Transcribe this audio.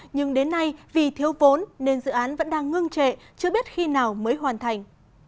nhưng đến nay vì thiếu vốn nên dự án vẫn đang ngưng trệ chưa biết khi nào mới hoàn thành